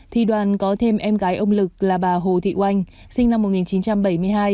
thì đoàn có thêm em gái ông lực là bà hồ thị oanh sinh năm một nghìn chín trăm bảy mươi hai